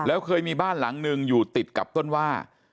แล้วเคยมีบ้านหลังหนึ่งอยู่ติดกับต้นว่า